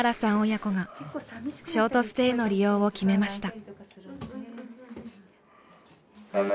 親子がショートステイの利用を決めました。